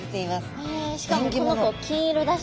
しかもこの子金色だし。